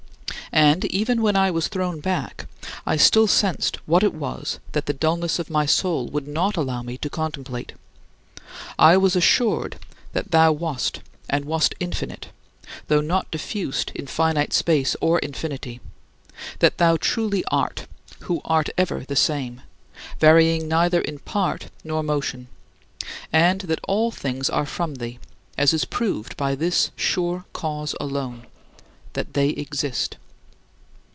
And, even when I was thrown back, I still sensed what it was that the dullness of my soul would not allow me to contemplate. I was assured that thou wast, and wast infinite, though not diffused in finite space or infinity; that thou truly art, who art ever the same, varying neither in part nor motion; and that all things are from thee, as is proved by this sure cause alone: that they exist.